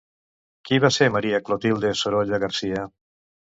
Qui va ser María Clotilde Sorolla García?